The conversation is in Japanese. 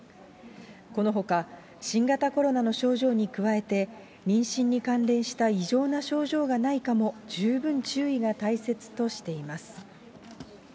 このほか、新型コロナの症状に加えて、妊娠に関連した異常な症状がないかも十分注意が大切としています。